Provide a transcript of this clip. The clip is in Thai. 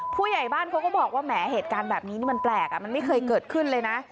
ผู้ใหญ่บ้านเขาก็บอกว่าแหมเหตุการณ์แบบนี้นี่มันแปลกมันไม่เคยเกิดขึ้นเลยนะ